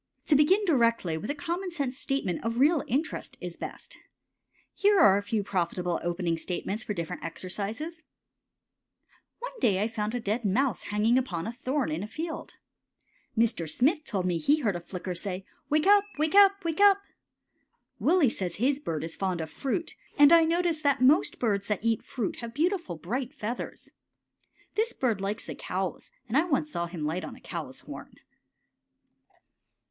To begin directly with a common sense statement of real interest is best. Here are a few profitable opening statements for different exercises: One day I found a dead mouse hanging upon a thorn in a field. Mr. Smith told me he heard a Flicker say, "Wake up! Wake up! Wake up!" Willie says his bird is fond of fruit, and I notice that most birds that eat fruit have beautiful, bright feathers. This bird likes the cows, and I once saw him light on a cow's horn.